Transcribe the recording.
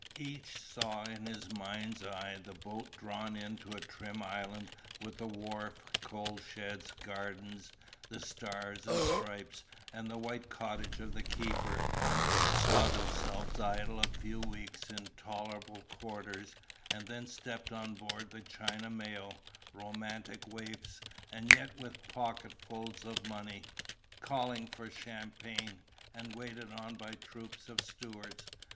Each saw in his mind's eye the boat draw in to a trim island with a wharf, coal sheds, gardens, the Stars and Stripes and the white cottage of the keeper; saw themselves idle a few weeks in tolerable quarters, and then step on board the China mail, romantic waifs, and yet with pocketsful of money, calling for champagne, and waited on by troops of stewards.